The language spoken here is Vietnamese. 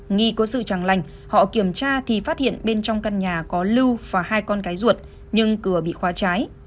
nghi có sự chẳng lành họ kiểm tra thì phát hiện bên trong căn nhà có lưu và hai con gái ruột nhưng cửa bị khóa trái